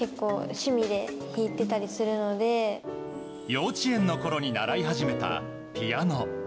幼稚園のころに習い始めたピアノ。